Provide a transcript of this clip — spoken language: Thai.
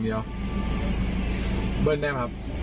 ไม่อย่างเดียว